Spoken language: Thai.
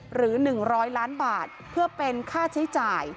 หรือ๑๐๐ล้านบาทเพื่อเป็นค่าใช้จ่าย